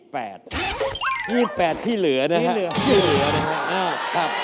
๒๘ปีที่เหลือนะครับ